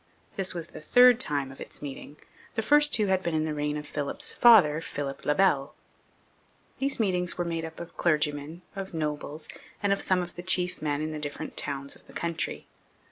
This was the third time of its meeting ; the first two had been in the reign of Philip's father, Philip le Bel. These meetings were made up of clergymen, of nobles, and of some of the chief men in the different towns of the country.